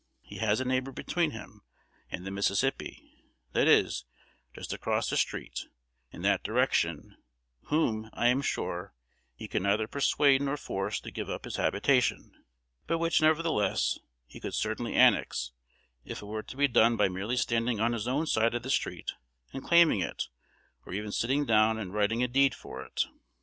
He has a neighbor between him and the Mississippi, that is, just across the street, in that direction, whom, I am sure, he could neither persuade nor force to give up his habitation; but which, nevertheless, he could certainly annex, if it were to be done by merely standing on his own side of the street and claiming it, or even sitting down and writing a deed for it.